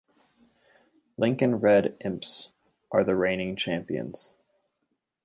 Lincoln Red Imps are the reigning champions.